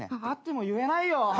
あっても言えないよ。